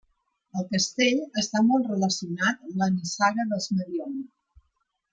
El castell està molt relacionat amb la nissaga dels Mediona.